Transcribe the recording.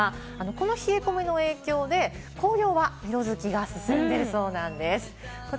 この冷え込みの影響で、紅葉は色づきが進んでいきそうなんです。